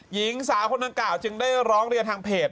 หญิงสาวคนดังกล่าวจึงได้ร้องเรียนทางเพจ